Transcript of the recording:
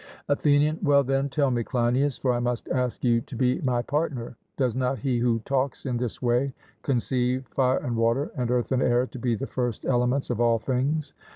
ATHENIAN: Well, then, tell me, Cleinias for I must ask you to be my partner does not he who talks in this way conceive fire and water and earth and air to be the first elements of all things?